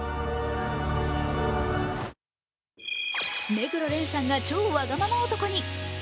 目黒蓮さんが超わがまま男に。